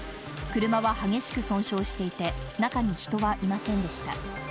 車は激しく損傷していて、中に人はいませんでした。